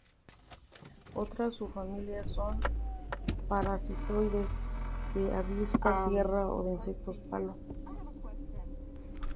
Otras subfamilias son parasitoides de avispas sierra o de insectos palo.